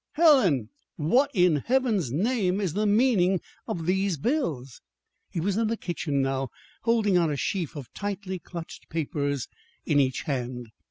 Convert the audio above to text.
"Helen, what in Heaven's name is the meaning of these bills?" He was in the kitchen now, holding out a sheaf of tightly clutched papers in each hand.